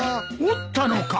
折ったのか！？